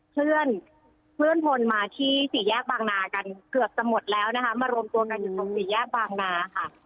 เคลื่อนพลมาที่สี่แยกบางนากันเกือบจะหมดแล้วนะคะมารวมตัวกันอยู่ตรงสี่แยกบางนาค่ะ